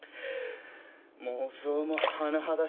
妄想も甚だしいな。